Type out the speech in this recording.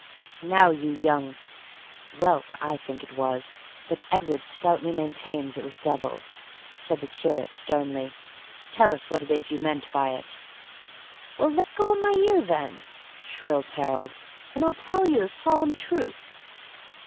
"Now, you young " (whelp, I think it was, but Edward stoutly maintains it was devil), said the curate, sternly; "tell us what you mean by it!" "Well, leggo of my ear then!" shrilled Harold, "and I'll tell you the solemn truth!"